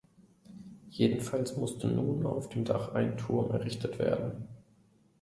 Jedenfalls musste nun auf dem Dach ein Turm errichtet werden.